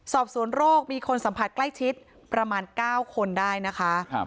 สอบสวนโรคมีคนสัมผัสใกล้ชิดประมาณ๙คนได้นะคะ